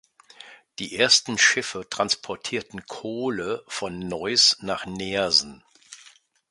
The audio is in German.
Die ersten Schiffe transportierten Kohle von Neuss nach Neersen.